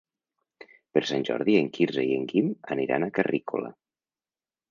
Per Sant Jordi en Quirze i en Guim aniran a Carrícola.